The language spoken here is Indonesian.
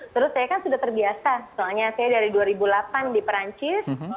terus saya kan sudah terbiasa soalnya saya dari dua ribu delapan di perancis